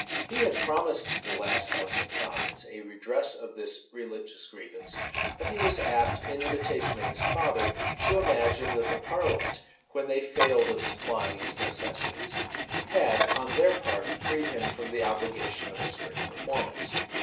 He had promised to the last house of commons a redress of this religious grievance: but he was apt, in imitation of his father, to imagine that the parliament, when they failed of supplying his necessities, had, on their part, freed him from the obligation of a strict performance.